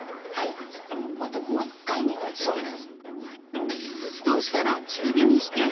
またもう一回煮ないといけない。